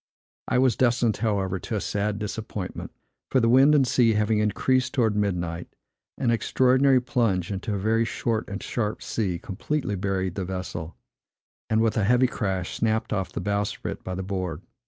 I was destined, however, to a sad disappointment; for the wind and sea having increased towards midnight, an extraordinary plunge into a very short and sharp sea completely buried the vessel, and, with a heavy crash, snapped off the bowsprit by the board.